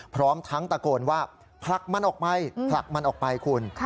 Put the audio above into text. พร้อมทั้งตะโกนว่าผลักมันออกไปผลักมันออกไปคุณ